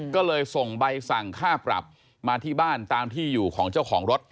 ก็เลยส่งใบสั่งค่าปรับมาที่บ้านตามที่อยู่ของเจ้าของรถ